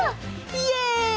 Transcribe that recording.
イエイ！